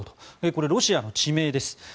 これはロシアの地名です。